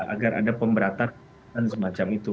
agar ada pemberatan semacam itu